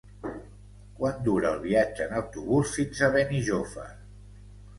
Quant dura el viatge en autobús fins a Benijòfar?